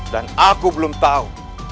dan aku belum tahu